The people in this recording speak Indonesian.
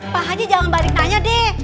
pak haji jangan balik nanya deh